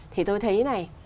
thì tôi thấy thế này